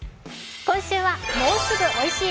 今週は「もうすぐ美味しい！